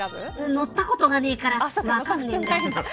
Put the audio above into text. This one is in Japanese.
乗ったことがないから分かんないんだけど。